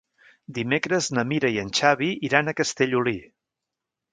Dimecres na Mira i en Xavi iran a Castellolí.